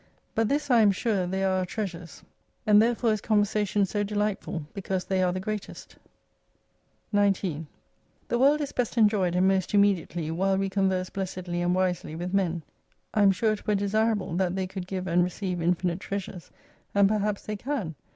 But this I am sure they are our treasures, and therefore is conversation so delightful, because they are the greatest. 19 The world is best enjoyed and most immediately while we converse blessedly and wisely with men. I am sure it were desirable that they could give and re ceive infinite treasures : and perhaps they can.